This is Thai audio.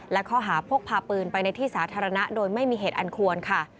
และข้อหาพกพาปืนไปในที่สาธารณะโดยไม่มีเหตุอันควรค่ะ